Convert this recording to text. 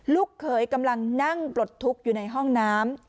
ลูกเขยกำลังนั่งปลดทุกข์อยู่ในห้องน้ำ